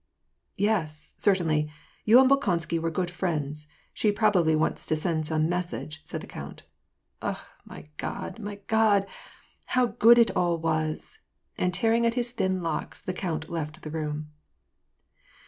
" Yes, certainly, you and Bolkonsky were good friends ; she probably wants to send some message," said the count. " Akh ! my God ! my God ! How good it all was !" And tearing at his thin loc^, the count left the room.